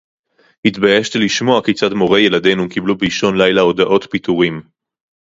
התביישתי לשמוע כיצד מורי ילדינו קיבלו באישון לילה הודעות פיטורים